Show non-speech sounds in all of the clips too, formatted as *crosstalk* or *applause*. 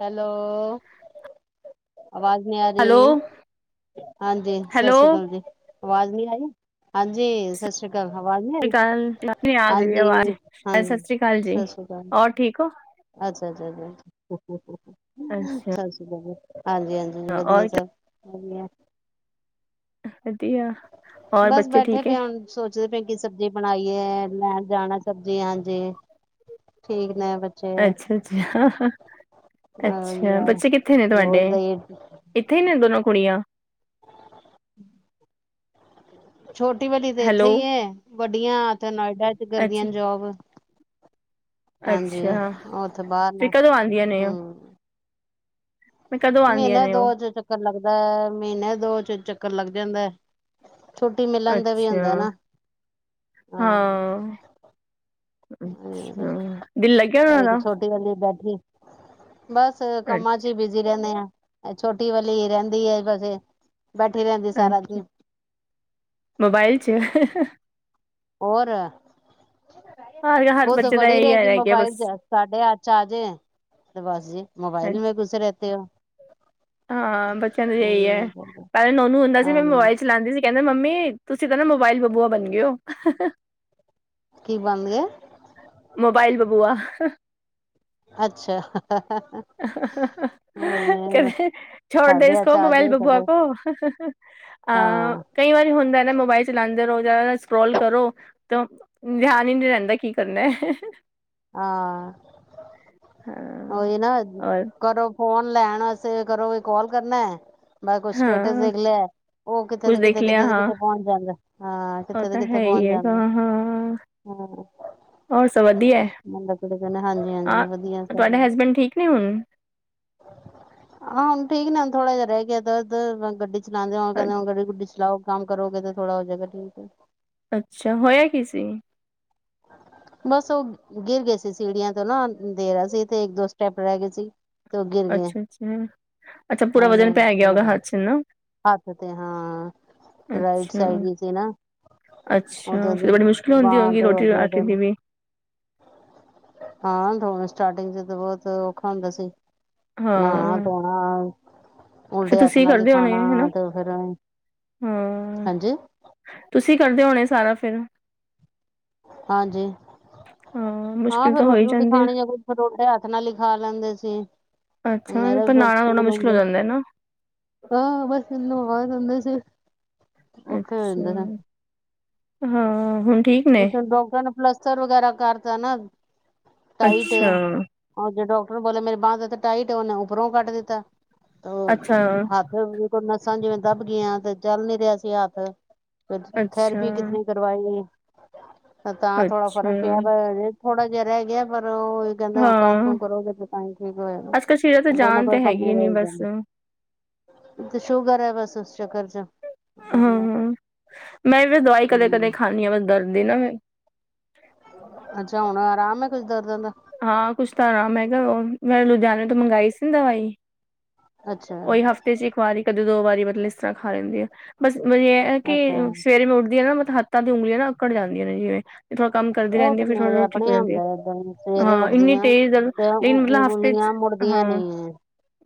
Hello. ਆਵਾਜ਼ ਨਹੀਂ ਆ ਹੈਲੋ ਰਹੀ। ਹਾਂਜੀ ਸਤਿ ਹੈਲੋ ਸ੍ਰੀ ਅਕਾਲ ਜੀ। ਆਵਾਜ਼ ਨੀ ਆਈ। ਹਾਂਜੀ। ਸਤਿ ਸ਼੍ਰੀ ਅਕਾਲ, ਅਵਾਜ ਨੀ ਸਤਿ ਸ਼੍ਰ ਅਕਾਲ, ਆ ਗਈ ਆਵਾਜ਼ ਸਤਿ ਸ਼੍ਰੀ ਅਕਾਲ ਹਾਂਜੀ ਜੀ, ਹੋਰ ਠੀਕ ਹੋ? ਅਛਾ-ਅਛਾ, ਹੋ-ਹੋ, ਅੱਛਾ ਸਤਿ ਅਕਾਲ ਹਾਂਜੀ- ਹਾਂਜੀ। ਵਧੀਆ ਔਰ ਸਭ ਵਧੀਆ। ਵਧੀਆ ਹੋਰ ਬਸ ਬੱਚੇ ਬੈਠੇ ਠੀਕ ਹੈ? ਪਏ ਹੁਣ ਸੋਚਦੇ ਭਏ, ਕਿ ਸਬਜ਼ੀ ਬਣਾਈਏ। ਲੈਣ ਜਾਣਾ ਸਬਜ਼ੀ ਹਾਂਜੀ। ਠੀਕ ਨੇ ਬ ਅੱਛਾ-ਅੱਛਾ, ਅੱਛਾ ਅ ਬੱਚੇ ਕਿੱਥੇ ਨੇ ਤੁਹਾਡੇ? ਰੋਜ਼ ਇੱਥੇ ਹੀ ਨੇ, ਦੋਨੋ ਕੁੜੀਆਂ। ਛੋਟੀ ਵਲੀ ਤੇ ਇੱਥੇ ਹੈਲੋ ਹੀ। ਵੱਡੀਆਂ ਤਾ ਨੋਇਡਾ ਚ ਕਰਦੀਆਂ ਅੱਛਾ ਨੇ ਜੋਬ। ਹਾਂਜੀ, ਅੱਛਾ ਉਹ ਉਥੇ ਬਾਹਰ ਫਿਰ ਨੇ। ਕਦੋਂ ਆਉਂਦੀਆਂ ਨੇ ਉਹ ਹੂੰ, ਮੈਂ ਕਦੋਂ ਆਉਂਦੀਆਂ ਮਹੀਨੇ ਨੇ ਦੋ ਉਹ ਚ ਚੱਕਰ ਲੱਗਦਾ ਹੈ, ਮਹੀਨੇ ਦੋ ਚ ਚੱਕਰ ਲੱਗ ਜਾਂਦਾ ਹੈ। ਛੁੱਟੀ ਮਿਲਣ ਦੇ ਵੀ ਅੱਛਾ ਹੁੰਦਾ ਨਾ, ਹਾਂ। ਅੱਛਾ, ਦਿਲ ਲੱਗ ਗਿਆ ਉਹਨਾਂ ਦਾ। ਵਾਹਲੀ ਬੈਠੀ, ਬਸ ਕੰਮਾਂ ਚ ਹੀ ਬਿਜ਼ੀ ਰਹਿੰਦੇ ਆ। ਛੋਟੀ ਵਾਲੀ ਰਹਿੰਦੀ ਵਸੇ। ਅੱਛਾ, ਮੋਬਾਇਲ ਚ। ਹੋਰ। ਹਰ ਹਰ ਖੁਦ ਬੱਚੇ ਦਾ ਬੜੀ ਇਹੀ ਰਹੇਗੀ ਰਹਿ ਗਿਆ ਮੋਬਾਇਲ ਬਸ ਚ। ਸਾਡੇ ਹੱਥ ਚ ਆਜੇ ਤੇ ਬਸ ਜੀ, ਮੋਬਾਇਲ ਮ ਘੁਸੇ ਰਹਿਤੇ ਹੋ। ਹਾਂ ਬੱਚਿਆਂ ਨੂੰ ਇਹੀ ਹੈ। ਪਹਿਲੇ ਨੋਨੂੰ ਹੁੰਦਾ ਸੀ ਹਾਂ ਮੋਬਾਇਲ ਚ ਚਲਾਉਂਦੀ ਸੀ। ਕਹਿੰਦੇ ਮੰਮੀ ਤੁਸੀਂ ਤਾਂ ਨਾ ਮੋਬਾਇਲ ਬਬੂਆ ਬਣ ਗਏ ਹੋ। ਕੀ ਬਣ ਗਏ? ਮੋਬਾਈਲ ਬਬੂਆ। ਅੱਛਾ। ਕਹਦੇ ਛੋੜ ਦੇ ਸਾਡੇ ਇਸ ਹੱਥ ਚ ਆ ਮੋਬਾਈਲ ਜੇ ਤਾਂ ਬਬੂਆ ਫਿਰ ਕੋ। ਅਹ ਹਾਂ ਕਈ ਵਾਰੀ ਹੁੰਦਾ ਨਾ, ਮੋਬਾਇਲ ਚਲਾਉਂਦੇ ਰਹੋ ਜਾਂ ਸਕਰੋਲ ਕਰੋ ਤਾਂ, ਧਿਆਨ ਹੀ ਨੀ ਰਹਿੰਦਾ। ਕੀ ਕਰਨਾ ਹਾਂ, ਹਾਂ ਓਹੀ ਨਾ ਔਰ ਕਰੋ ਫੋਨ ਲੈਣ ਵਾਸੇ ਕਰੋ ਕਾਲ ਕਰਨਾ ਏ। ਬ ਕੁਛ ਸਟੇਟਸ ਹਾਂ ਦੇਖ ਲਿਆ। ਉਹ ਕਿਥੇ ਕੁੱਝ ਤੇ ਦੇਖ ਕਿਤੇ, ਲਿਆ ਕਿਥੇ ਹਾਂ ਕਿਥਤੇ ਪਹੁੰਚ ਜਾਂਦਾ ਹਾਂ। ਉਹ ਕਿੱਥੇ ਤੇ ਤਾਂ ਕਿੱਥੇ ਹੈ ਹੀ ਪਹੁੰਚ ਹੈਗਾ ਜਾਂਦਾ ਐ। ਹਾਂ ਹਾਂ ਹੂੰ। ਹੋਰ ਸਭ ਵਧੀਆਏ। ਮਤਲਬ ਕਿ ਕਹਿੰਦੇ ਹਾਂਜੀ -ਹਾਂਜੀ ਵਧੀਆ ਸ ਕੀ ਹੋਇਆ ਐ? ਹਾਂ ਹੁਣ ਠੀਕ ਨੇ, ਹੁਣ ਥੋੜਾ ਜਿਹਾ ਰਹਿ ਗਿਆ ਦਰਦ, ਗੱਡੀ ਚਲਾਂਦੇ ਆਂ ਕਹਿੰਦੇ ਗੱਡੀ ਗੁੱਡੀ ਚਲਾਓ ਕੰਮ ਕਰੋਗੇ, ਤਾਂ ਥੋੜਾ ਹੋ ਜਾਏਗਾ, ਠੀਕ ਏ। ਅੱਛਾ, ਹੋਇਆ ਕੀ ਸੀ। ਬਸ ਉਹ ਗਿਰ ਗਏ ਸੀ ਸੀੜੀਆਂ ਤੋਂ ਨਾ, ਦੇਰਾ ਸੀ ਤੇ ਇੱਕ ਦੋ ਸਟੈਪ ਰਹਿ ਗਏ ਸੀ। ਤੇ ਉਹ ਗਿਰ ਗਏ ਅੱਛਾ -ਅੱਛਾ, ਅੱਛਾ ਪੂਰਾ ਵਜਨ ਪੈ ਗਿਆ ਓਦਾ ਹੱਥ ਚ ਨਾ। ਹੱਥ ਤੇ ਹਾਂ, ਰਾਈਟ ਅੱਛਾ ਸਾਈਡ ਹੀ ਸੀ ਨਾ। ਅੱਛਾ ਉਧਰ ਦੀ ਫਿਰ ਬੜੀ ਮੁਸ਼ਕਿਲ ਹੁੰਦੀ ਬਾਂਹ ਹੋਗੀ ਤੇ ਹੋ ਰੋਟੀ ਗਿਆ ਰਾਟੀ ਦੀ ਤਿਨ। ਵੀ ਹਾਂ ਹੁਣ ਸਟਾਟਿੰਗ ਚ ਤਾਂ ਬਹੁਤ ਔਖਾ ਹੁੰਦਾ ਸੀ, ਹਾਂ ਨਾਣਾ ਧੋਣਾ ਫੇਰ ਉਲਟੇ ਹੱਥ ਤੁਸੀਂ ਨਾਲ ਹੀ ਕਰਦੇ ਹੋਣੇ ਖਾਣਾ ਹਨਾ, ਤੇ ਫਿਰ ਹਾਂ। ਹਾਂਜੀ ਤੁਸੀਂ ਕਰਦੇ ਹੋਣੇ ਸਾਰਾ ਫਿਰ। ਹਾਂਜੀ, ਹਾਂ ਹਾਂ ਮੁਸ਼ਕਿਲ ਫੇਰ ਤਾਂ ਹੋ ਰੋਟੀ ਹੀ ਰੁਟੀ ਜਾਂਦੀ ਖਾਣੀ ਐ ਕੋਈ। ਫੇਰ ਉਲਟੇ ਹੱਥ ਨਾਲ ਹੀ ਖਾ ਲੈਂਦੇ ਸੀ। ਅੱਛਾ, ਫੇਰ ਮੇਰਾ ਤੇ ਵੀ ਫਿਰ ਨਾਣਾ ਨੁਣਾ ਸਕੂਲ ਮੁਸ਼ਕਿਲ ਹੋ ਹੁੰਦਾ ਜਾਂਦਾ ਨਾ। ਹਾਂ, ਬਸ ਇਹਨੂੰ ਬਹਿ ਜਾਂਦੇ ਸੀ। ਔਖੇ ਹੋ ਜਾਂਦੇ ਅੱਛਾ, ਹਾਂ ਹੁਣ ਠੀਕ ਨੇ ਡਾਕਟਰ ਨੇ ਪਲਸਤਰ ਵਗੈਰਾ ਕਰਤਾ ਨਾ, ਟਾਈਟ ਐ। ਅੱਛਾ ਉਹ ਜੇ ਡਾਕਟਰ ਬੋਲੇ ਆ ਮੇਰੀ ਬਾਂਹ ਤੇ ਟਾਈਟ ਏ, ਉਹਨੇ ਉੱਪਰੋਂ ਕੱਟ ਦਿੱਤਾ, ਤੇ ਉਹ ਅੱਛਾ ਹੱਥ ਕੋਈ ਨਸਾਂ ਜਿਵੇਂ ਦੱਬ ਗਈਆਂ, ਤੇ ਚੱਲ ਨੀ ਰਿਹਾ ਸੀ ਹੱਥ, ਫੇਰ ਅੱਛਾ ਥੈਰੇਪੀ ਕਿਤੇ ਨੀ ਕਰਵਾਈ ਤਾਂ ਥੋੜਾ ਅੱਛਾ ਫਰਕ ਪਿਆ, ਪਰ ਥੋੜਾ ਜਿਹਾ ਰਹਿ ਗਿਆ, ਪਰ ਉਹ ਕਹਿੰਦੇ ਹੁਣ ਕੰਮ ਹਾਂ ਕੁੰਮ ਕਰੋਗੇ, ਤੇ ਤਾਂਹੀ ਠੀਕ ਹੋਏਗਾ, ਅੱਜ ਕੱਲ੍ਹ ਸ਼ਰੀਰਾਂ ਤੇ ਕੋਈ ਨਾ ਜਾਨ ਤੇ ਕੋਈ ਕੰਮ ਈ ਹੈਗੀ ਨੀ ਰਹਿ ਹੀ ਬਸ ਜਾਂਦੀ। ਤੇ ਸ਼ੂਗਰ ਐ, ਬਸ ਉਸ ਚਕਰ ਚ। ਹੂੰ, ਮੈਂ ਵੀ ਦਵਾਈ ਕਦੇ- ਕਦੇ ਹਮ ਖਾਂਦੀ ਹਾਂ, ਬਸ ਦਰਦ ਦੀ ਨਾ ਮੈਂ। ਅੱਛਾ, ਹੁਣ ਆਰਾਮ ਐ, ਕੁੱਝ ਦਰਦਾਂ ਦਾ। ਹਾਂ ਕੁਛ ਤਾਂ ਆਰਾਮ ਹੈਗਾ, ਮੈਂ ਲੁਧਿਆਣੇ ਤੋਂ ਮੰਗਾਈ ਸੀ ਨਾ ਦਵਾਈ। ਅੱਛਾ ਹਫਤੇ ਚ ਇੱਕ ਵਾਰੀ, ਕਦੇ ਦੋ ਵਾਰੀ ਮਤਲਬ ਇਸ ਤਰ੍ਹਾਂ ਖਾ ਲੈਂਦੇ ਐ, ਬਸ ਵਧੀਆ। ਇਹ ਅੱਛਾ ਕਿ ਸਵੇਰੇ ਮੈਂ ਉੱਠਦੀਆਂ ਨਾ, ਮਤਲਬ ਹੱਥਾਂ ਦੀ ਉਂਗਲੀਆਂ ਨਾ ਆਕੜ ਜਾਂਦੀਆਂ ਨੇ ਜਿਵੇਂ। ਥੋੜਾ ਕੰਮ ਕਰਦੀ ਉਹ ਰਹਿੰਦੀ ਤੇ ਆ, ਫਿਰ ਥੋੜੀ- ਮੇਰੇ ਥੋੜੀ ਠੀਕ ਆਪਣੇ ਜਾਂਦੀ ਏ, ਹੁੰਦਾ ਏਦਾਂ ਹੀ ਸਵੇਰੇ ਹਾਂ ਇੰਨੀ ਉੱਠਦੀਆਂ ਤੇਜ਼ ਲੇਕਿਨ ਮਤਲਬ ਹਫ਼ਤੇ ਚ ਵਧੀਆ ਨੀ ਹਾਂ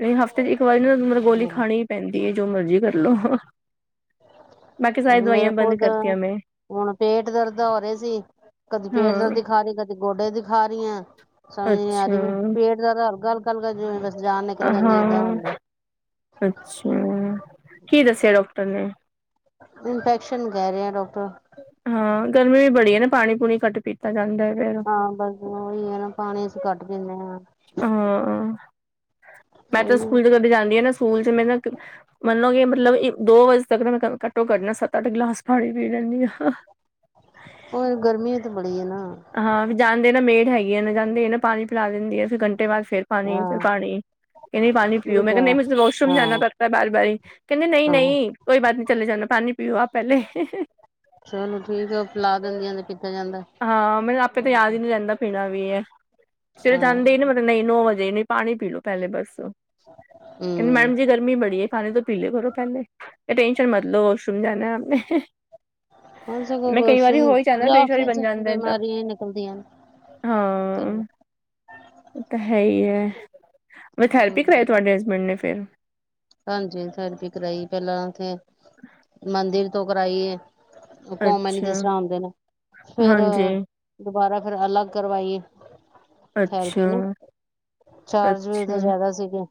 ਨਹੀਂ ਹਫ਼ਤੇ ਚ ਇੱਕ ਵਾਰੀ ਨਾ ਮੈਨੂੰ ਗੋਲੀ ਖਾਣੀ ਪੈਂਦੀ ਐ, ਜੋ ਮਰਜ਼ੀ ਕਰ ਲੋ। ਮੇਰੇ ਖੁਦ ਮੈਂ ਹੁਣ ਪੇਟ ਦਰਦ ਹੋ ਰਹੇ ਸੀ, ਕਦੀ ਪੇਟ ਦਰਦ ਹਾਂ ਦੀ ਖਾ ਲੀ, ਕਦੀ ਗੋਡੇ ਦੀ ਖਾ ਰਹੀ ਆ, ਸਮਝ ਨੀ ਆ ਰਹੀ, ਮੈਂ ਅੱਛਾ ਪੇਟ ਦਾ ਤਾਂ ਹਲਕਾ-ਹਲਕਾ ਜਿਵੇਂ ਜਾਨ ਨਿਕਲ ਜਾਂਦੀ ਏਦਾਂ ਹਾਂ, ਹੁੰਦਾ ਅੱਛਾ, ਕੀ ਦੱਸਿਆ ਡਾਕਟਰ ਨੇ? ਇੰਨਫੈਕਸ਼ਨ ਕਹਿ ਰਹੇ ਐ ਡੋਕਟਰ। ਹਾਂ ਗਰਮੀ ਵੀ ਬੜੀ ਐ ਨਾ, ਪਾਣੀ ਪੂਣੀ ਘੱਟ ਪੀਤਾ ਜਾਂਦਾ ਐ ਫੇਰ। ਹਾਂ ਬਸ ਉਹੀ ਹੈ ਨਾ, ਪਾਣੀ ਅਸੀਂ ਘੱਟ ਪੀਨੇ ਆਂ। ਹਾਂ ਮੈਂ ਤਾਂ ਉਹੀ ਸਕੂਲ ਚ ਕਦੀ ਜਾਂਦੀ ਹਾਂ ਨਾ, ਸਕੂਲ ਚ ਮੈਂ ਨਾ ਮੰਨਲੋ ਕਿ ਮਤਲਬ ਦੋ ਵਜੇ ਤੱਕ ਮੈਂ ਘੱਟੋ-ਘੱਟ ਸੱਤ- ਅੱਠ ਗਿਲਾਸ ਪਾਣੀ ਪੀ ਲੈਂਨੀ ਹਾਂ। ਹੁਣ ਗਰਮੀ ਤੇ ਬੜੀ ਹੈ ਨਾ। ਹਾਂ ਫਿਰ ਜਾਂਦੇ ਨਾ ਮੇਡ ਹੈਗੀ ਆ ਨਾ, ਜਾਂਦੇ ਨਾ ਪਾਣੀ ਪਿਲਾ ਦਿੰਦੀ ਆ, ਫੇਰ ਘੰਟੇ ਬਾਅਦ ਫੇਰ ਪਾਣੀ, ਫੇਰ ਹਾਂ ਪਾਣੀ। ਕਹਿੰਦੇ ਪਾਣੀ ਪੀਓ, ਠੀਕ ਮੈਂ ਕਹਿੰਦਾ ਹੈ ਨਹੀਂ, ਮੇਰੇ ਕੋ ਵੌਸ਼ਰੂਮ ਜਾਣਾ ਹਾਂ ਪੜਤਾ ਵਾਰ- ਵਾਰ, ਕਹਿੰਦੇ ਨਹੀਂ- ਹਾਂ ਨਹੀਂ। ਕੋਈ ਬਾਤ ਨੀ ਚਲੇ ਜਾਣਾ, ਪਾਣੀ ਪੀਓ ਆਪ ਪਹਿਲੇ। ਚਲੋ ਠੀਕ ਆ, ਉਹ ਪਿਲਾ ਦਿੰਦੀਆਂ ਨੇ, ਪੀਤਾ ਜਾਂਦਾ। ਹਾਂ ਮੈਨੂੰ ਆਪੇ ਤਾਂ ਯਾਦ ਹੀ ਨੀ ਰਹਿੰਦਾ ਪੀਣਾ ਵੀ ਐ, ਸਵੇਰੇ ਜਾਂਦੇ ਹਾਂ ਹੀ ਨੀ ਮਤਲਬ ਨਹੀਂ ਨੋ ਵਜੇ ਨੀ। ਪਾਣੀ ਪੀ ਲੋ ਪਹਿਲੇ ਬਸ, ਫੇਰ ਹਮ ਮੈਡਮ ਜੀ ਗਰਮੀ ਬੜੀ ਏ, ਪਾਣੀ ਤੋਂ ਪੀਲੇ ਕਰੋ ਪਹਿਲੇ, ਟੈਂਸ਼ਨ ਮਤ ਲੋੋ ਵੌਸ਼ਰੂਮ ਜਾਣਾ ਆਪ ਨੇ। ਹੁਣ ਸਗੋਂ ਮੈਂ ਕਈ ਵਾਰੀ ਵਾਸ਼ਰੂਮ ਹੋ ਹੀ ਜਾਂਦਾ ਜਾ ਪੇਟ ਹੀ ਕੇ ਬਣ ਤੇ ਜਾਂਦਾ ਤਾਂ, ਬਿਮਾਰੀਆਂ ਹੀ ਨਿਕਲਦੀਆਂ ਨੇ ਤੇ ਹਾਂ। ਤਾਂ ਹੈ ਈ ਏ ਹੈਲਪ ਨੀ ਕਰਾਈ ਹਮ ਤੁਹਾਡੇ ਹਸਬੈਂਡ ਨੇ ਫੇਰ। ਹਾਂਜੀ ਥੇਰਪੀ ਕਰਾਈ ਪਹਿਲਾਂ ਉਥੇ ਮੰਦਿਰ ਤੋਂ ਕਰਾਈ। ਉਹ ਕੌਮਨ ਅੱਛਾ ਜਿਸ ਤਰ੍ਹਾਂ ਆਉਂਦੇ ਨੇ ਫੇਰ। ਹਾਂਜੀ ਦੁਬਾਰਾ ਫੇਿਰ ਅਲੱਗ ਕਰਵਾਈ ਏ। ਅੱਛਾ। ਚਾਰਜ ਵੀ ਉਹਦੇ ਅੱਛਾ ਜਿਆਦਾ ਸੀਗੇ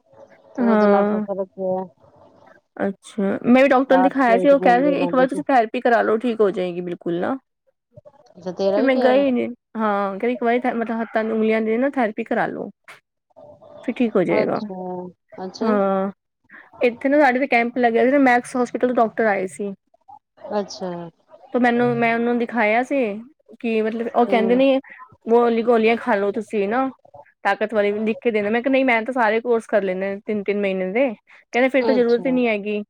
ਤੇ ਉਹਦੇ ਨਾਲ ਫਿਰ ਹਾਂ ਫਰਕ ਪਿਆ। ਅੱਛਾ ਮੈਂ ਵੀ ਡਾਕਟਰ ਨੂੰ ਚਾਰ ਦਿਖਾਇਆ ਸੌ ਸੀ ਇੱਕ ਉਹ ਕਹਿ ਦਿਨ ਸੀ ਦੇ ਇੱਕ ਲੈਂਦੇ ਵਾਰ ਤੁਸੀਂ ਫੈਰ ਕਰਾ ਲੋ ਠੀਕ ਹੋ ਜਾਏਗੀ ਬਿਲਕੁਲ ਨਾ ਅੱਛਾ ਤੇਰਾ ਫਿਰ ਵੀ ਮੈਂ ਗਿਆ ਗਈ ਨੀ ਹਾਂ ਕ ਇੱਕ ਵਾਰੀ ਮਤਲਬ ਹੱਥਾਂ ਦੀ ਉਂਗਲੀਆਂ ਦੀ ਨਾ ਥੈਰੇਪੀ ਕਰਾ ਲੋ। ਫਿਰ ਠੀਕ ਹੋ ਵਾ ਜਾਏਗਾ ਅੱਛਾ ਅੱਛਾ ਹਾਂ। ਇੱਥੇ ਨਾ ਸਾਡੇ ਤੇ ਕੈਂਪ ਲੱਗਿਆ ਸੀ ਤੇ ਮੈਕਸ ਹੋਸਪਿਟਲ ਤੋਂ ਡਾਕਟਰ ਆਏ ਸੀ ਅੱਛਾ ਤੇ ਮੈਨੂੰ ਮੈਂ ਉਹਨੂੰ ਦਿਖਾਇਆ ਸੀ ਕਿ ਮਤਲਬ ਉਹ ਕਹਿੰਦੇ ਹਮ ਨੇ ਵੋ ਵਾਲੀਆਂ ਗੋਲੀਆਂ ਖਾ ਹਲੋ ਤੁਸੀਂ ਨਾ ਤਾਕਤ ਵਾਲੀ ਵੀ ਲਿਖ ਦੇਣਾ ਮੈਂ ਕਿਹਾ ਨਹੀਂ ਮੈਂ ਤਾਂ ਸਾਰੇ ਕੋਰਸ ਕਰ ਲੈਂਨੇ ਤਿੰਨ ਤਿੰਨ ਮਹੀਨੇ ਦੇ ਕਹਿੰਦੇ ਫਿਰ ਜ਼ਰੂਰਤ ਹੀ ਅੱਛਾ ਨਹੀਂ ਹੈਗੀ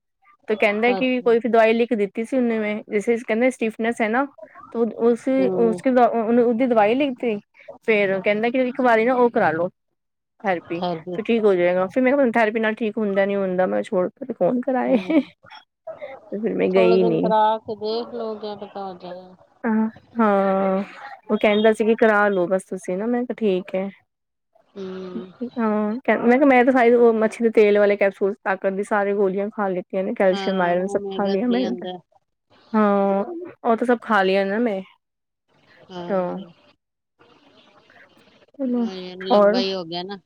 ਤੇ ਕਹਿੰਦਾ ਕਿ ਅੱਛਾ ਕੋਈ ਦਵਾਈ ਲਿਖ ਕੇ ਦਿੱਤੀ ਸੀ ਨੇ ਜੈਸੇ ਕਹਿੰਦੇ ਸਟੀਫਨਸ ਹੈ ਨਾ ਉਸੇ ਉਸ ਹਮ ਦੇ ਉਹ ਉਹਨੇ ਉਹਦੀ ਦਵਾਈ ਲਿਖ ਤੀ ਫੇਰ ਕਹਿੰਦਾ ਕਿ ਇੱਕ ਵਾਰੀ ਨ ਉਹ ਕਰਾਾਲੋ ਥੈਰਪੀ ਥੈਰੇਪੀ ਕਿਉਂ ਕਿ ਹੋ ਜਾਏਗਾ ਫਿਰ ਮੈਂ ਤੁੂੰ ਥੈਰੇਪੀ ਨਾਲ ਹੁੰਦਾ ਨ ਹੁੰਦਾ ਮੈਂ ਛੋੜ ਫੋਨ ਕਰਾਏ ਹੂੰ ਤੇ ਫਿਰ ਮੈਂ ਥੋੜੇ ਗਈ ਦਿਨ ਨੀ ਕਰਾ ਕੇ ਦੇਖ ਲੋਓ ਕ ਪਤਾ ਹੋ ਜਾਣਾ। ਹ ਹਾਂ ਉਹ ਕਹਿੰਦੇ ਸੀ ਕਿ ਕਰਾ ਲਓ ਬਸ। ਤੁਸੀਂ ਨਾ ਮੈਂ ਕਿਹਾ ਠੀਕ ਐ। ਹੂੰ। ਹਾਂ ਕ ਮੈਂ ਕਿਹਾ ਮੈਂ ਤਾਂ ਸਾਰੀ ਉਹ ਮੱਛੀ ਦੇ ਤੇਲ ਵਾਲੇ ਕੈਪਸੂਲ ਤਾਕਤ ਦੀ ਸਾਰੇ ਗੋਲੀਆਂ ਖਾ ਲੀ। ਕੈਲਸ਼ੀਅਮ ਹਾਂ ਆਇਰਨ ਸਭ ਓਮੇਗਾ ਖਾਲੀਆਂ। ਥ੍ਰੀ *unintelligible* ਆਂਦਾ ਹਾਂ ਉਹ ਤਾਂ ਸਭ ਖਾਲੀ ਆ ਮੈਂ ਤਾਂ ਹਾਂ ਲੰਬਾ ਔਰ ਹੀ ਹੋ ਗਿਆ ਨਾ।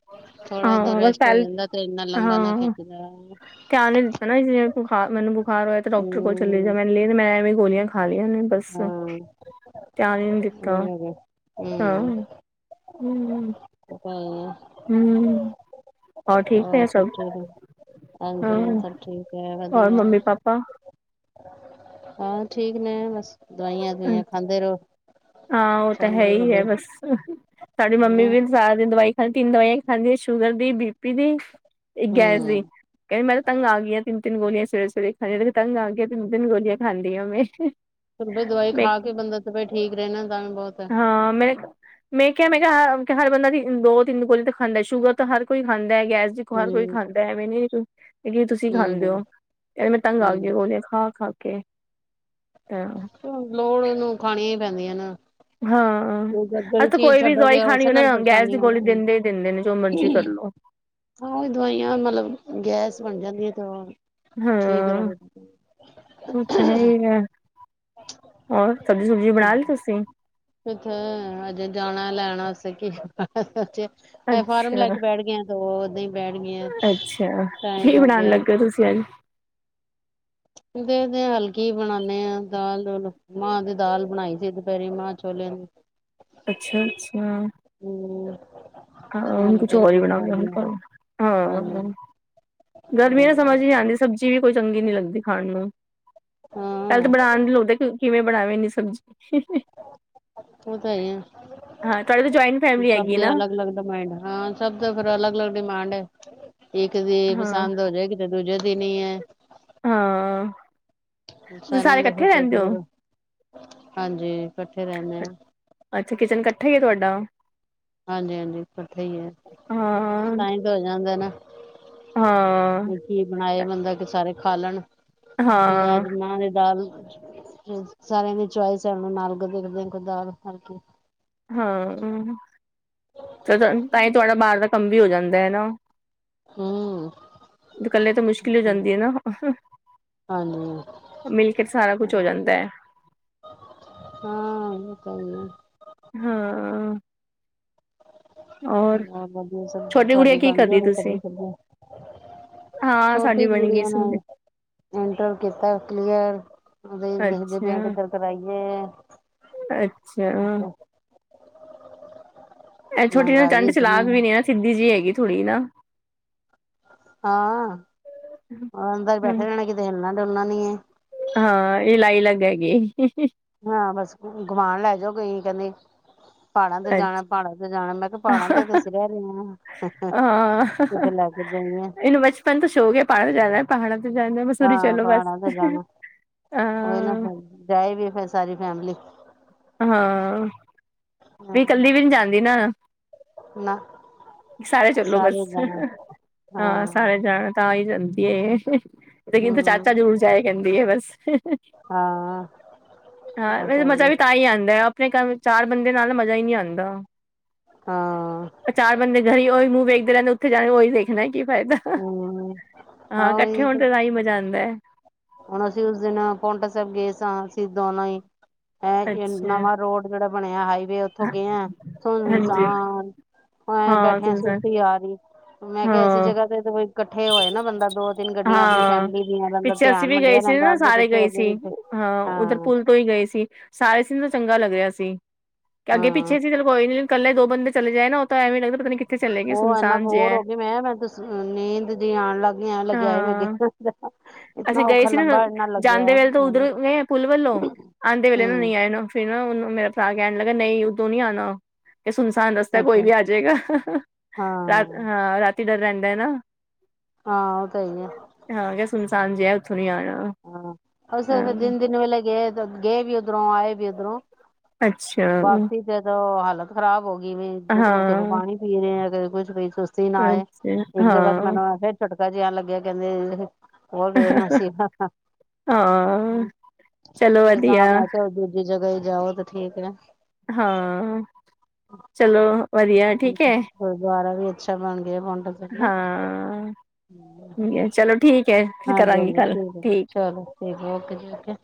ਥੋੜਾ ਜਿਆ ਹਾਂ ਬਸ ਰੈਸਟ ਹੋ ਪਹਿਲ ਜਾਂਦਾ ਤੇ ਇਨਾ ਲੰਬਾ। ਹਾਂ *unintelligible* ਧਿਆਨ ਨੀ ਦਿੱਤਾ ਨਾ ਜਿਵੇਂ ਬੁਖਾਰ ਮੈਨੂੰ ਬੁਖਾਰ ਹੋਇਆ ਤੇ ਡਾਕਟਰ ਕੋਲ ਚਲੀ ਜਾਵਾਂ। ਮੈਂ ਐਵੇਂ ਗੋਲੀਆਂ ਖਾ ਲਈਆਂ ਨੇ ਬਸ ਹਾਂ ਤਾਂ ਹੀ ਨੀ ਦਿੱਤਾ। ਇਹ ਹੈਗਾ ਹਾਂ ਹੂੰ। ਪੱਕਾ *inaudible* ਹੂੰ ਹੋਰ ਸਭ ਠੀਕ ਏ ਹਾਂ ਹਾਂਜੀ ਸਭ ਠੀਕ ਏ ਔਰ ਵਧੀਆ ਮੰਮੀ ਪਾਪਾ ਹਾਂ ਠੀਕ ਨੇ ਬਸ ਦਵਾਈਆਂ ਦੁਈਆਂ ਖਾਂਦੇ ਰਹੋ ਹਾਂ ਉਹ ਤਾਂ ਹੈ ਚੱਲਦੇ ਹੀ ਗੱਡੀ ਬਸ ਸਾਡੀ ਮੰਮੀ ਹੂੰ ਵੀ ਸਾਰੇ ਦਿਨ ਦਵਾਈ ਖਾਂਦੀ ਤਿੰਨ ਦਵਾਈਆਂ ਖਾਂਦੀ ਆਂ ਸ਼ੂਗਰ ਦੀ ਬੀ ਪੀ ਦੀ ਤੇ ਗੈਸ ਦੀ ਹੂੰ ਕਹਿੰਦੀ ਮੈਂ ਤਾਂ ਤੰਗ ਆ ਗਈ ਆ ਤਿੰਨ ਤਿੰਨ ਗੋਲੀਆਂ ਸਵੇਰੇ ਸਵੇਰੇ ਖਾਂਦੀ ਤੰਗ ਆ ਗਿਆ ਤਿੰਨ ਤਿੰਨ ਗੋਲੀਆਂ ਖਾਂਦੀ ਆ ਮੈਂ ਦਵਾਈ ਮੈਂ ਖਾ ਕੇ ਬੰਦਾ ਤਬੀਅਤ ਠੀਕ ਰਹਿਣਾ ਤਾਂ ਵੀ ਬਹੁਤ ਹੈ ਹਾਂ ਮੈਂ ਮੈਂ ਕਿਹਾ ਮੈਂ ਕਿਹਾ ਹ ਹਰ ਬੰਦਾ ਦੋ ਤਿੰਨ ਗੋਲੀ ਤਾਂ ਖਾਂਦਾ ਸ਼ੂਗਰ ਤਾਂ ਹਰ ਕੋਈ ਖਾਂਦਾ ਹੈ ਗੈਸ ਦੀ ਹਰ ਕੋਈ ਹੂੰ ਖਾਂਦਾ ਐਵੇਂ ਨਹੀਂ ਇਹ ਕੀ ਤੁਸੀਂ ਖਾਂਦੇ ਹੂੰ ਹੋ ਇਹ ਮੈਂ ਤੰਗ ਗਈ ਹੂੰ ਗੋਲੀਆ ਖਾ ਖਾ ਕੇ ਤਾਂ ਲੋੜ ਨੂੰ ਖਾਣੀਆਂ ਈ ਪੈਂਦੀਆਂ ਨਾ ਹਾਂ ਹਾਂ ਜਿਹੜੀ ਅੱਥ ਚੀਜ਼ ਕੋਈ ਵੀ ਦਵਾਈ ਛੱਡੋਗੇ ਖਾਣੀ ਉਸੇ ਉਹਨੇ ਨਾਲ ਗੈਸ ਦੀ ਪਰੇਸ਼ਾਨੀ ਹੋ ਗੋਲੀ ਦਿੰਦੇ ਹੀ ਦਿੰਦੇ ਨੇ ਜੋ ਮਰਜ਼ੀ ਜਾਣੀ ਕਰਲੋ *unintelligible* ਹਾਂ ਉਹੀ ਦਵਾਈਆਂ ਮਤਲਬ ਗੈਸ ਬਣ ਜਾਂਦੀ ਆਂ ਤਾਂ ਹਾਂ ਉਹ ਤਾਂ ਹੈ ਆ ਹੋਰ ਸਬਜ਼ੀ ਸੁਬਜੀ ਬਣਾ ਲਈ ਤੁਸੀਂ, ਕਿੱਥੇ ਅਜੇ ਜਾਣਾ ਲੈਣਾ *unintelligible* ਅੱਛਾ ਇਹ ਫਾਰਮ ਲੈ ਅੱਛਾ ਕੇ ਬੈਠ ਗਏ ਤੇ ਉਹਦੇ ਹੀ ਬੈਠ ਗਈਆਂ। ਅੱਛਾ ਕੀ ਟਾਈਮ ਹੋ ਬਣਾਣ ਗਿਆ ਲੱਗੇ ਤੁਸੀਂ ਅੱਜ? ਦੇਖਦੇ ਹਲੇ ਬਣਾਨੇ ਆ ਦਾਲ ਮਾਂਹ ਦੀ ਦਾਲ ਬਣਾਈ ਸੀ ਦੁਪਹਿਰੀ ਮਾਂ ਛੋਲਿਆਂ ਦੀ। ਅੱਛਾ ਅੱਛਾ, ਹੂੰ, ਹਾਂ ਹੁਣ ਕੁਛ ਹਲਕਾ ਹੋਰ ਹੀ ਕੋਈ ਬਣਾ ਬਣਾਉਂਦੀ ਹਾਂ ਹਾਂ ਹਾਂਜੀ ਗਰਮੀ ਨਾ ਸਮਝ ਹੀ ਆਂਦੀ। ਸਬਜ਼ੀ ਵੀ ਕੋਈ ਚੰਗੀ ਨੀ ਲੱਗਦੀ ਖਾਣ ਨੂੰ। ਹਲੇ ਤਾਂ ਹਾਂ ਬਣਾਣ ਦੀ ਸੋਚ ਲੱਗੇ ਕਿਵੇਂ ਬਣਾ ਮੈਂ ਇੰਨੀ ਸਬਜ਼ੀ। ਉਹ ਤਾਂ ਹੀ ਹੈ ਹਾਂ ਤੁਹਾਡੇ ਤਾਂ ਜੁਆਇੰਟ ਫੈਮਿਲੀ ਸਭ ਹੈਗੀ ਨਾ। ਦੇ ਅਲੱਗ ਅਲੱਗ ਹਾਂ ਸਭ ਤੋਂ ਫਿਰ ਅਲੱਗ ਅਲੱਗ ਡਿਮਾਂਡ ਐ ਇੱਕ ਦੀ ਹਾਂ ਪਸੰਦ ਹੋ ਜਾਏਗੀ। ਦੂਜੇ ਦਿਨ ਹੀ ਹੈ। ਹਾਂ। ਤੁਸੀਂ ਸਾਰਿਆਂ ਸਾਰੇ ਦਾ ਫਿਰ ਇਕੱਠੇ ਰਹਿੰਦੇ ਹੋ ਸੋਚਦੇ ਹਾਂਜੀ ਇਕੱਠੇ ਰਹਿੰਦੇ ਆ। ਅੱਛਾ ਕਿਚਨ ਇਕੱਠਾ ਹੀ ਹੈ ਤੁਹਾਡਾ। ਹਾਂਜੀ ਹਾਂਜੀ ਇਕਠੇ ਹੀ ਐ ਹਾਂ ਤਾਂ ਹੀ ਤੇ ਹੋ ਜਾਂਦਾ ਨਾ। ਹਾਂ। ਕੀ ਬਣਾਏ ਬੰਦਾ ਕਿ ਸਾਰੇ ਖਾ ਲੈਣ ਹੁਣ ਹਾਂ ਅੱਜ ਮਾਂਹ ਦੀ ਦਾਲ। ਸਾਰਿਆਂ ਦੀ ਚੋਇਸ *unintelligible* ਹਾਂ ਤਾਂ ਹੀ ਤੁਹਾਡਾ ਬਾਹਰ ਦਾ ਕੰਮ ਵੀ ਹੋ ਜਾਂਦਾ ਹੈ ਨਾ। ਹੂੰ ਇਕੱਲੇ ਤਾਂ ਮੁਸ਼ਕਿਲ ਹੋ ਜਾਂਦੀ ਐ ਨਾ। ਹਾਂਜੀ, ਮਿਲ ਕੇ ਸਾਰਾ ਕੁਛ ਹੋ ਜਾਂਦਾ। ਹਾਂ ਓ ਤਾਂ ਹੈਈ ਐ। ਹਾਂ, ਔਰ ਆਹ ਵਧੀਆ ਛੋਟੀ ਗੁੜੀਆ ਤੁਹਾਡੀ ਕੀ ਬਣ ਕਰ ਗਈ ਰਹੀ ਹੋਣੀ ਤੁਸੀਂ ਸਬਜ਼ੀ ਸਬਜ਼ ਹਾਂ ਛੋਟੀ ਸਾਡੀ ਬਣ ਗਈ ਗੂੜੀਆਂ ਸੁਣਦੇ ਨਾਲ ਇੰਟਰ ਕੀਤਾ ਕਲੀਅਰ ਉਹਦੇ ਦੇਖਦੇ ਪਏ ਅੱਛਾ ਕਿੱਧਰ ਕਰਈਏ ਅੱਛਾ ਹਾਂ, ਇਹ ਛੋਟੀ ਮਹਿੰਗਾਈ ਟੰਢ ਇਤਨੀ ਚਲਾਕ ਹੈ ਵੀ ਨਾ ਸਿੱਧੀ ਜਿਹੀ ਹੈਗੀ ਥੋੜ੍ਹੀ ਨਾ। ਹਾਂ ਉਹ ਅੰਦਰ ਬੈਠੇ ਰਹਿਣਾ ਕਿਤੇ ਹਿੱਲਣਾ ਡੋਲਣਾ ਨੀ ਐ। ਹਾਂ ਇਹ ਲਾਈ ਲੱਗ ਹੈਗੀ। ਹਾਂ ਬਸ ਗੁਵਾਨ ਲੈ ਜਾਓ ਕਈ ਕਹਿੰਦੇ। ਪਹਾੜਾਂ ਤੇ ਜਾਣਾ ਪਹਾੜਾਂ ਤੇ ਜਾਣਾ ਮੈਂ ਕਿਹਾ ਪਹਾੜਾਂ ਅੱਛਾ ਤੇ ਦਸੀ ਰਹਿ *unintelligible* ਹਾਂ। ਕਿੱਥੇ ਲੈ ਕੇ ਜਾਈ ਆ। *unintelligible* ਤਾਂ ਸ਼ੋਕ ਪਹਾੜਾਂ ਤੇ ਜਾਣਾ ਪਹਾੜਾਂ ਤੋਂ ਜਾਣਾ ਮਸੂਰੀ ਹਾਂ ਚਲੋ ਬਸ ਪਹਾੜਾਂ ਅ ਜਾਏਗੀ ਵੀ ਫੇਰ ਸਾਰੀ ਫੈਮਲੀ। ਹਾਂ ਹਾਂ ਵੀ ਇਕੱਲੀ ਵੀ ਨਹੀਂ ਜਾਂਦੀ ਨਾ। ਨਾ ਸਾਰੇ ਚਲੋ ਬਸ ਹਾਂ ਸਾਰੇ ਜਾਣ। ਤਾਂ ਹੀ ਜਾਂਦੀ ਏ ਲੇਕਿਨ ਤੇ ਚਾਚਾ ਹਮ ਜ਼ਰੂਰ ਜਾਏ ਕਹਿੰਦੀ ਬਸ। ਹਾਂ ਹਾਂ ਉਹ ਵੈਸੇ ਤਾਂ ਹੈ ਮਜ਼ਾ ਵੀ ਤਾਂ ਹੀ ਆਂਦਾ ਆਪਣੇ ਘਰ ਚਾਰ ਬੰਦੇ ਨਾਲ ਮਜ਼ਾ ਹੀ ਨੀ ਆਂਦਾ। ਹਾਂ ਚਾਰ ਬੰਦੇ ਘਰੀ ਉਹੀ ਮੂੰਹ ਵੇਖਦੇ ਰਹਿੰਦੇ ਉੱਥੇ ਜਾਣਾ ਉਹੀ ਦੇਖਣਾ ਕੀ ਫਾਇਦਾ। ਹੂੰ ਹਾਂ ਆਹੋ ਇਕੱਠੇ ਇਹ ਹੋਣ ਤੇ ਤਾਂਹੀਂ ਮਜ਼ਾ ਆਂਦਾ। ਹੁਣ ਅਸੀਂ ਉਸ ਦਿਨ ਪੋਂਟਾ ਸਾਹਿਬ ਗਏ ਸਾਂ ਅਸੀਂ ਦੋਨਾਂ ਹੀ ਹੈ ਅੱਛਾ ਨਵਾਂ ਰੋਡ। ਜਿਹੜਾ ਬਣਿਆ ਹਾਈਵੇ। ਉੱਥੋਂ ਗਏ ਆ ਹਾਂਜੀ ਸੁਨਸਾਨ ਐ ਹਾਂ ਬੇਠੇ ਆ ਸੁਣਸਾਨ ਸੁਸਤੀ ਆ ਰਹੀ। ਮੈਂ ਕਿਹਾ ਐਸੀ ਹਾਂ ਜਗ੍ਹਾ ਤੇ ਈ ਇਕੱਠੇ ਹੋਏ ਨਾ ਬੰਦਾ ਦੋ ਤਿੰਨ ਗੱਡੀਆਂ ਆਪਣੀ ਹਾਂ ਫੈਮਿਲੀ ਦੀਆਂ ਬੰ ਪਿੱਛੇ ਅਸੀਂ ਵੀ ਗਏ ਸੀ ਨਾ, ਸਾਰੇ ਗਏ ਸੀ। ਹਾਂ ਉੱਧਰ ਪੁਲ ਤੋਂ ਹੀ ਗਏ ਸੀ। ਸਾਈਡ ਸੀਨ ਤਾਂ ਚੰਗਾ ਲੱਗ ਰਿਹਾ ਸੀ। ਹਾਂ ਅੱਗੇ-ਪਿੱਛੇ ਸੀ ਤੇ ਕੋਈ ਨੀ। ਇਕੱਲੇ ਦੋ ਬੰਦੇ ਚਲੇ ਜਾਏ ਨਾ। ਉਹ ਤਾਂ ਐਵੇ ਵੀ ਲਗਦਾ ਪਤਾ ਨੀ ਕਿ ਹੋਰ ਇਨਾ ਬੋਰ ਹੋ ਗੀ ਮੈਂ। ਮੈਂ ਤਾਂ ਨੀਂਦ ਜੀ ਆਉਣ ਲੱਗ। ਨੀ ਏਨ ਲੱਗਿਆ ਮੈਂਨੂੰ ਹਾਂ ਤੇ, ਅਸੀਂ ਗਏ ਇੱਤਨਾ ਸੀ ਨਾ ਲੰਬਾ ਦਿਨ ਲੱਗਿਆ ਜਾਂਦੇ ਹੈ। ਆਉਂਦੇ ਵੇਲੇ ਨਾ ਨਹੀਂ ਆਏ ਨਾ। ਫੇਰ ਨਾ ਉਹਨੂੰ ਮੇਰਾ ਭਰਾ ਕਹਿਣ ਲੱਗਾ, ਨਹੀਂ ਉਦੋਂ ਨੀ ਆਉਣਾ। ਤੇ ਸੁਨਸਾਨ ਰਸਤਾ ਕੋਈ ਅੱਛਾ ਵੀ ਆ ਜੇਗਾ। ਰਾਤ ਹਾਂ ਰਾਤੀ ਡਰ ਰਹਿੰਦਾ ਹੈ ਨਾ। ਹਾਂ, ਕੋਈ ਨੀ। ਹਾਂ ਕਿਹਾ। ਸੁਨਸਾਨ ਜਿਹਾ ਉੱਥੋਂ ਨੀ ਆਣਾ। ਹਾਂ। ਅਸਲ ਵਿੱਚ ਹਾਂ ਦਿਨ- ਦਿਨ ਵਲੇ ਗੇ, ਗੇ ਵੀ ਇਧਰੋ, ਆਏ ਵੀ ਇਧਰੋਂ। ਅੱਛਾ ਵਾਪਸੀ ਤੇ ਹਾਲਤ ਖ਼ਰਾਬ ਹੋ ਗਈ। ਵੀ ਰੁਕ-ਰੁਕ ਫਿਰ ਹਾਂ ਪਾਣੀ ਪੀਲਿਆ ਅਗਰ ਕੁਛ ਵੀ ਕੋਈ ਸੁਸਤੀ ਨਾ ਆਏ। ਅੱਛਾ ਇੱਕ ਜਗ੍ਹਾ ਤੋਂ ਹਾਂ ਮੈਨੂੰ ਐਵੇ ਝੱਟਕਾ ਜਿਹਾ ਲੱਗਿਆ ਕਹਿੰਦੇ। ਉਹ ਹੋਰ ਗਏ ਮਸੀਬਾ ਹਾਂ, ਚਲੋ ਵਧੀਆ। ਹੋਰ ਦੂਜੀ ਜਗ੍ਹਾ ਜਾਓ ਤਾਂ ਠੀਕ ਹੈ। ਹਾਂ, ਚਲੋ ਵਧੀਆ ਠੀਕ ਹੈ। ਗੁਰਦੁਆਰਾ ਵੀ ਅੱਛਾ ਬਣ ਗਿਆ। ਪੋਓਟਾ ਸਾ ਹਾਂ। ਚਲੋ ਠੀਕ ਹੈ ਫਿਰ ਹਾਂਜੀ ਕਰਾਂਗੀ ਹਾਂਜੀ ਕੱਲ ਹੈ ਠੀਕ ਐ। ਚਲੋ ਠੀਕ ਏ, ਔਕੇ ਜੀ ਔਕੇ।